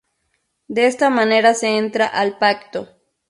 De esta manera se entra al pacto...